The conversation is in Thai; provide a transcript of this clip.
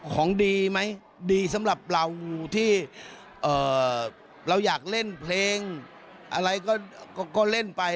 ของดีไหมดีสำหรับเราที่เราอยากเล่นเพลงอะไรก็เล่นไป